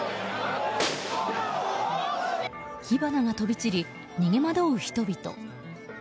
火花が飛び散り、逃げ惑う人々。